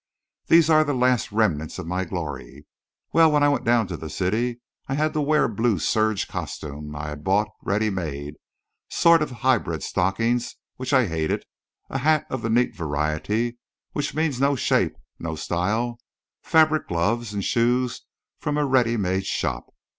These are the last remnants of my glory. Well, when I went down to the city, I had to wear a blue serge costume I had bought ready made, sort of hybrid stockings which I hated, a hat of the neat variety, which means no shape and no style, fabric gloves, and shoes from a ready made shop.